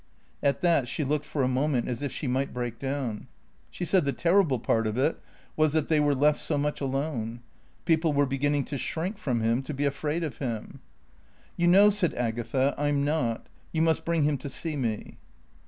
At that she looked for a moment as if she might break down. She said the terrible part of it was that they were left so much alone. People were beginning to shrink from him, to be afraid of him. "You know," said Agatha, "I'm not. You must bring him to see me."